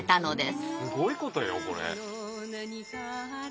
すごいことよこれ。